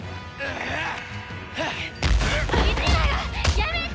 やめて！